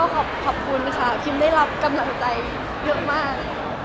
ขอบคุณค่ะพิมได้รับกำลังใจเยอะมาก